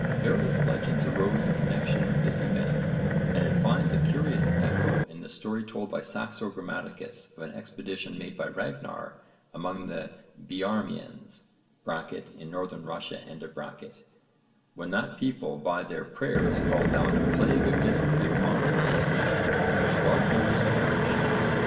Various legends arose in connexion with this event, and it finds a curious echo in the story told by Saxo Grammaticus of an expedition made by Ragnarr among the Biarmians (in Northern Russia) when that people by their prayers called down a plague of dysentery upon the Danes in which large numbers perished.